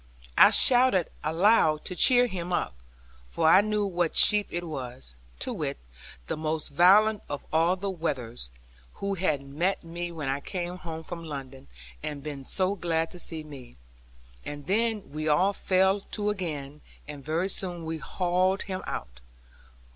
I shouted aloud to cheer him up, for I knew what sheep it was, to wit, the most valiant of all the wethers, who had met me when I came home from London, and been so glad to see me. And then we all fell to again; and very soon we hauled him out.